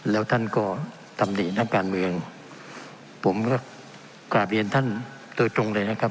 แล้วท่านก็ตำหนินักการเมืองผมก็กราบเรียนท่านโดยตรงเลยนะครับ